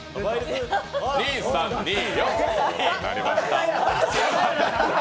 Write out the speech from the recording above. ２、３、２、４、分かれました。